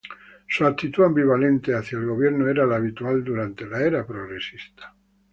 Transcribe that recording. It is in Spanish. Su actitud ambivalente hacia el Gobierno era la habitual durante la Era progresista.